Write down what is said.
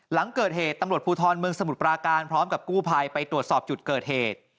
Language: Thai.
หลังเกิดเหตุตำรวจภูทรเมืองสมุทรปราการพร้อมกับกู้ภัยไปตรวจสอบจุดเกิดเหตุ